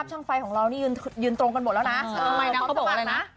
ช่างฟังพาเยอะจะต้องจีบตรงของแล้วนะไม่ได้นะ